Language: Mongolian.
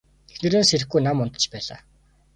Эхнэр нь сэрэхгүй нам унтаж байлаа.